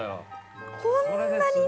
こんなにね。